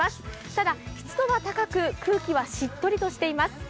ただ、湿度は高く、空気はしっとりとしています。